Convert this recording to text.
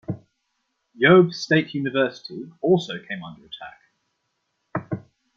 Yobe state university also came under attack.